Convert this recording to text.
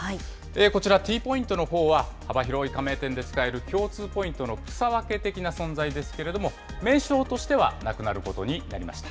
こちら、Ｔポイントのほうは、幅広い加盟店で使える共通ポイントの草分け的な存在ですけれども、名称としてはなくなることになりました。